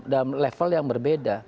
dalam level yang berbeda